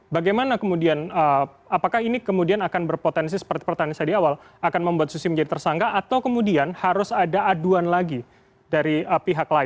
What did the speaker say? bagaimana kemudian apakah ini kemudian akan berpotensi seperti pertanyaan saya di awal akan membuat susi menjadi tersangka atau kemudian harus ada aduan lagi dari pihak lain